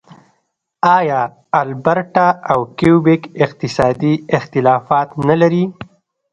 آیا البرټا او کیوبیک اقتصادي اختلافات نلري؟